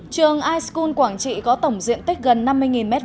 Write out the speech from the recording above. trường iskon quảng trị có tổng diện tích gần năm mươi m hai